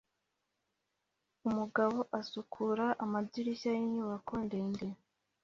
Umugabo asukura amadirishya yinyubako ndende